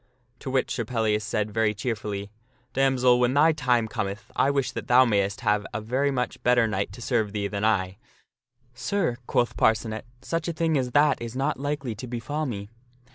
To which Sir Pellias said very cheerfully, " Damsel, when thy time cometh I wish that thou mayst have a very much better knight to serve thee than I." " Sir," quoth Parcenet, " such a thing as that is not likely to befall me."